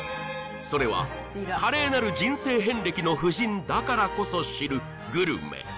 それは華麗なる人生遍歴の夫人だからこそ知るグルメ